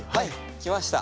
きました。